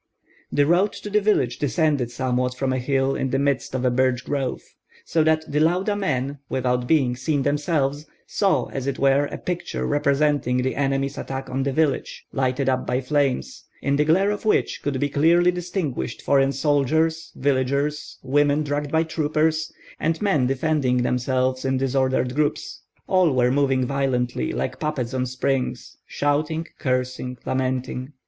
The road to the village descended somewhat from a hill in the midst of a birch grove; so that the Lauda men, without being seen themselves, saw, as it were, a picture representing the enemy's attack on the village, lighted up by flames, in the glare of which could be clearly distinguished foreign soldiers, villagers, women dragged by troopers, and men defending themselves in disordered groups. All were moving violently, like puppets on springs, shouting, cursing, lamenting.